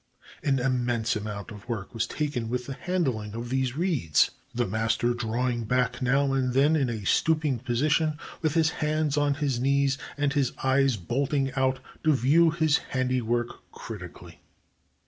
An im mense amount of care was taken with the handhng of these reeds, the master drawing beck now and tlien in a stooping position with his hands on his knees and his eyes bolting out to view his handiwork critically.